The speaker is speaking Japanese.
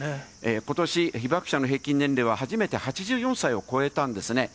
ことし、被爆者の平均年齢は、初めて８４歳を超えたんですね。